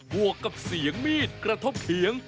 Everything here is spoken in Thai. วกกับเสียงมีดกระทบเถียง